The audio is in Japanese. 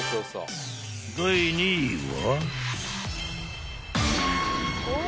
［第２位は］